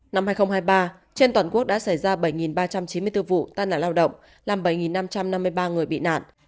năm hai nghìn hai mươi ba trên toàn quốc đã xảy ra bảy ba trăm chín mươi bốn vụ tai nạn lao động làm bảy năm trăm năm mươi ba người bị nạn